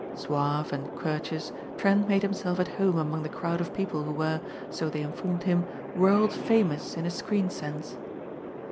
Suave and courteous, Trent made himself at home among the crowd of people who were, so they informed him, world famous in a screen sense.